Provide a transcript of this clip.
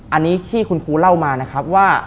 อันนี้ที่คุณครูเล่ามานะครับว่า